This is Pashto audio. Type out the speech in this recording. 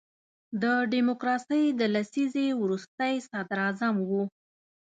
د ډیموکراسۍ د لسیزې وروستی صدر اعظم وو.